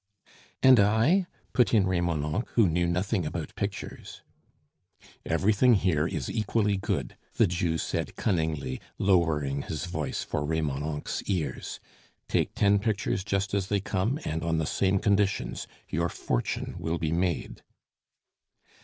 "And I? " put in Remonencq, who knew nothing about pictures. "Everything here is equally good," the Jew said cunningly, lowering his voice for Remonencq's ears; "take ten pictures just as they come and on the same conditions. Your fortune will be made."